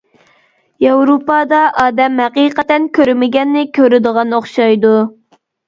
ياۋروپادا ئادەم ھەقىقەتەن كۆرمىگەننى كۆرىدىغان ئوخشايدۇ.